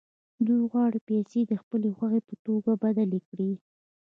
دوی غواړي پیسې د خپلې خوښې په توکو بدلې کړي